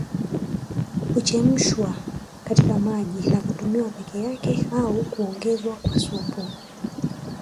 Huchemshwa katika maji na kutumiwa peke yake au huongezwa kwa supu